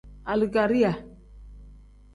Alikariya.